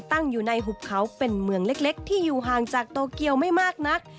ตั้งอยู่ในหุบเขาเป็นเมืองเล็กที่อยู่ห่างจากโตเกียวไม่มากนัก